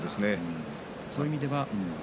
そういう意味では。